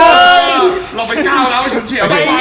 เราไปก้าวนะผู้จุ่นเฉียว